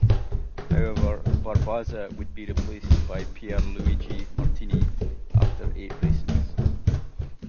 However, Barbazza would be replaced by Pierluigi Martini after eight races.